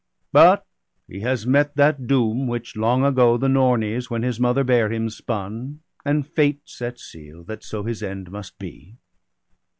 But he has met that doom, which long ago The Nornies, when his mother bare him, spun, And fate set seal, that so his end must be.